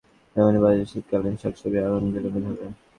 তাতে কৃষকের যেমন লোকসান, তেমনি বাজারে শীতকালীন শাকসবজির আগমন বিলম্বিত হবে।